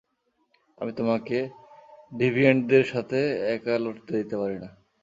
আমি তোমাকে ডিভিয়েন্টদের সাথে একা লড়তে দিতে পারি না।